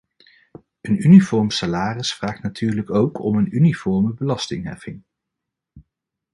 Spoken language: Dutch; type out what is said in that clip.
Een uniform salaris vraagt natuurlijk ook om een uniforme belastingheffing.